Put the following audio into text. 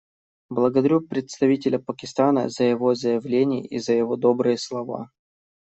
Благодарю представителя Пакистана за его заявление и за его добрые слова.